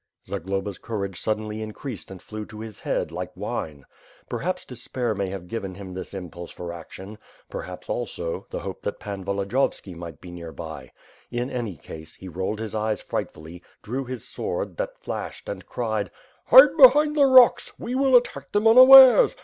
Zagloba's courage suddenly increased and flew to his head, like wine. Perhaps despair may have given him this impulse for action. Perhaps, also, the hope that Pan Voldiyovski might be near by. In any case, he rolled his eyes frightfully, drew his word, that flashed, and cried: "Hide behind the rocks! We will attack them unawares.